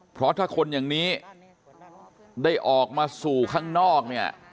เพราะถ้าคนอย่างนี้ได้ออกมาสู่ข้างนอกเนี่ย